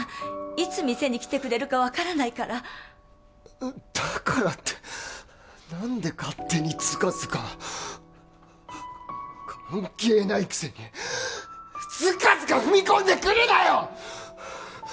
いつ店に来てくれるか分からないからだからって何で勝手にズカズカ関係ないくせにズカズカ踏み込んでくるなよ！